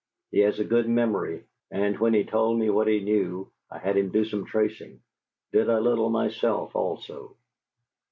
He has a good memory, and when he told me what he knew, I had him to do some tracing; did a little myself, also.